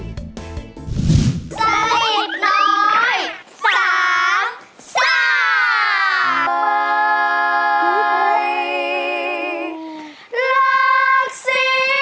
หลักสิ